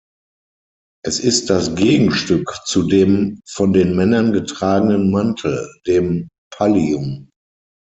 Es ist das Gegenstück zu dem von den Männern getragenen Mantel, dem Pallium.